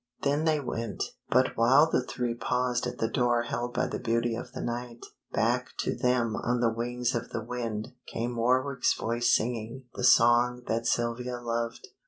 Then they went; but while the three paused at the door held by the beauty of the night, back to them on the wings of the wind came Warwick's voice singing the song that Sylvia loved.